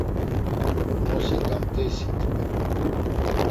Nosi gamt̆eysi t̆ǩva?